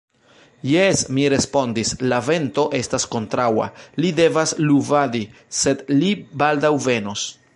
Jes, mi respondis, la vento estas kontraŭa, li devas luvadi, sed li baldaŭ venos.